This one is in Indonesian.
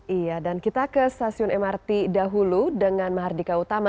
iya dan kita ke stasiun mrt dahulu dengan mahardika utama